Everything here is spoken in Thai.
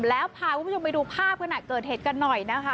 แล้วไปดูภาพขนาดเกิดเหตุกันหน่อยนะคะ